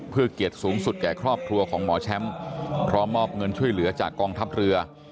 เพื่อเกียรติสูงสุดแก่ครอบครัวของหมอแชมป์พร้อมมอบเงินช่วยเหลือจากกองทัพเรือ